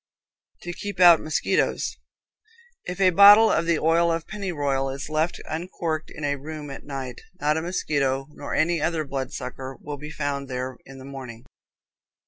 To Keep Out Mosquitoes. If a bottle of the oil of pennyroyal is left uncorked in a room at night, not a mosquito, nor any other blood sucker, will be found there in the morning.